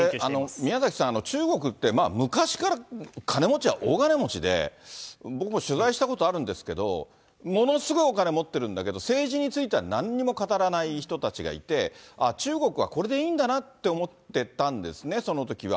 宮崎さん、中国って昔から金持ちは大金持ちで、僕も取材したことあるんですけど、ものすごいお金持ってるんだけど、政治についてはなんにも語らない人たちがいて、中国はこれでいいんだなと思ってたんですね、そのときは。